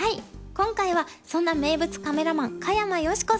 今回はそんな名物カメラマン香山由志子さんに迫ります。